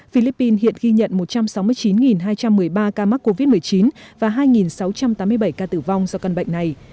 philippines hiện ghi nhận một trăm sáu mươi chín hai trăm một mươi ba ca mắc covid một mươi chín và hai sáu trăm tám mươi bảy ca tử vong do căn bệnh này